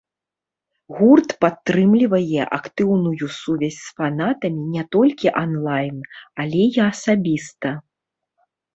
Гурт падтрымлівае актыўную сувязь з фанатамі не толькі анлайн, але і асабіста.